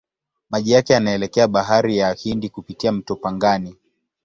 Maji yake yanaelekea Bahari ya Hindi kupitia mto Pangani.